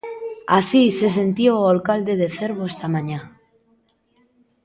Así se sentía o alcalde de Cervo esta mañá.